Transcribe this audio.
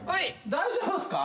大丈夫ですか？